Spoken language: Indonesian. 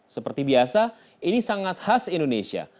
seperti biasa ini sangat khas indonesia